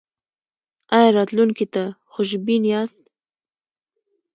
ایا راتلونکي ته خوشبین یاست؟